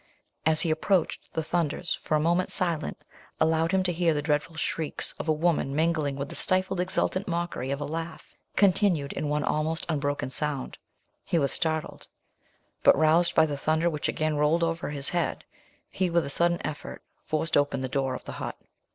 As he approached, the thunders, for a moment silent, allowed him to hear the dreadful shrieks of a woman mingling with the stifled, exultant mockery of a laugh, continued in one almost unbroken sound; he was startled: but, roused by the thunder which again rolled over his head, he, with a sudden effort, forced open the door of the hut.